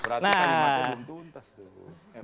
berarti kan emang kebuntu untas tuh